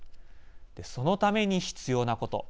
そのために必要なこと。